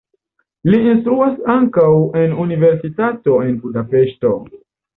Li instruas ankaŭ en universitato en Budapeŝto.